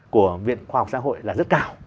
của viện khoa học xã hội là rất cao